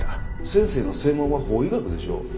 先生の専門は法医学でしょ？